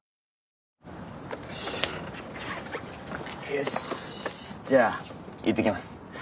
よしじゃあいってきます。